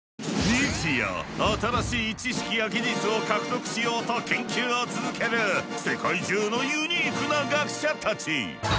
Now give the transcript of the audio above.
日夜新しい知識や技術を獲得しようと研究を続ける世界中のユニークな学者たち。